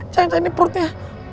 cain cain di perutnya